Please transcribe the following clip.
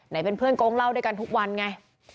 เป็นเพื่อนโกงเล่าด้วยกันทุกวันไง